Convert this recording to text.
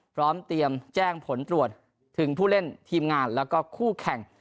พร้อมเตรียมแจ้งผลตรวจถึงผู้เล่นทีมงานแล้วก็คู่แข่ง